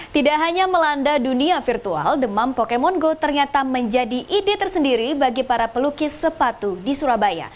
tidak hanya melanda dunia virtual demam pokemon go ternyata menjadi ide tersendiri bagi para pelukis sepatu di surabaya